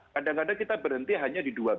kadang kadang kita berhenti hanya di dua belas